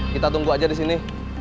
kita tunggu aja di sini